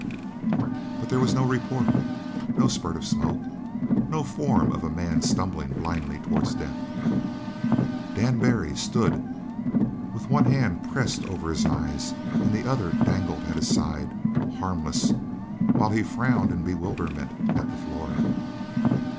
But there was no report no spurt of smoke no form of a man stumbling blindly towards death. Dan Barry stood with one hand pressed over his eyes and the other dangled at his side, harmless, while he frowned in bewilderment at the floor.